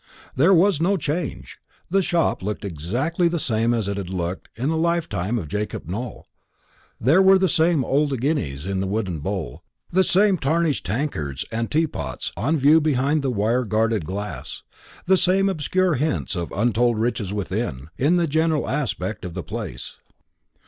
There was no change; the shop looked exactly the same as it had looked in the lifetime of Jacob Nowell. There were the same old guineas in the wooden bowl, the same tarnished tankards and teapots on view behind the wire guarded glass, the same obscure hints of untold riches within, in the general aspect of the place.